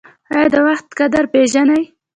ایا د وخت قدر پیژنئ؟